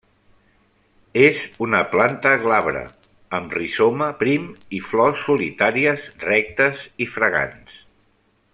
És una planta glabra amb rizoma prim i flors solitàries rectes i fragants.